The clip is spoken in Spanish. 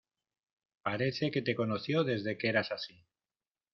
Parece que te conoció desde que eras así.